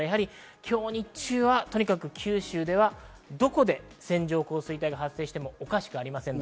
今日、日中はとにかく九州ではどこで線状降水帯が発生してもおかしくありません。